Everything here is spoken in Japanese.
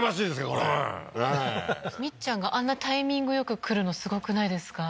これはいみっちゃんがあんなタイミングよく来るのすごくないですか？